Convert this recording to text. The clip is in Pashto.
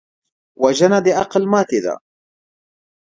وژنه د عقل ماتې ده